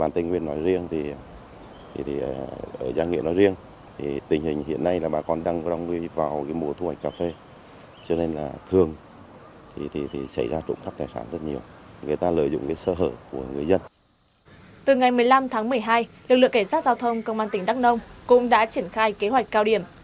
từ ngày một mươi năm tháng một mươi hai lực lượng cảnh sát giao thông công an tỉnh đắk nông cũng đã triển khai kế hoạch cao điểm